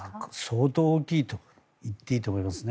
相当、大きいと言っていいと思います。